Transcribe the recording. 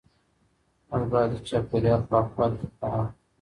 موږ باید د چاپیریال پاکوالي ته پام وکړو.